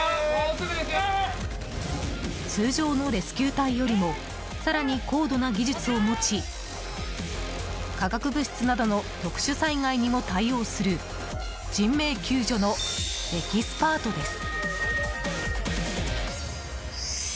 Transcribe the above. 通常のレスキュー隊よりも更に高度な技術を持ち化学物質などの特殊災害にも対応する人命救助のエキスパートです。